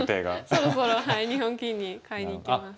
そろそろ日本棋院に買いにいきます。